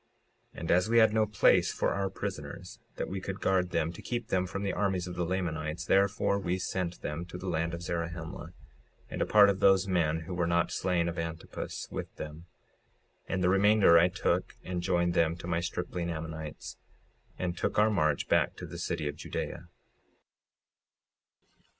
56:57 And as we had no place for our prisoners, that we could guard them to keep them from the armies of the Lamanites, therefore we sent them to the land of Zarahemla, and a part of those men who were not slain of Antipus, with them; and the remainder I took and joined them to my stripling Ammonites, and took our march back to the city of Judea.